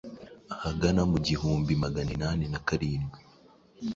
ahagana mu gihumbi maganinani na karindwi